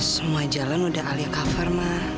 semua jalan udah alia cover mah